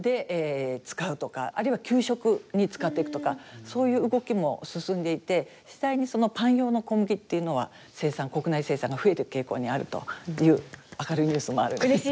あるいは給食に使っていくとかそういう動きも進んでいて実際にパン用の小麦っていうのは生産国内生産が増えてく傾向にあるという明るいニュースもあるんです。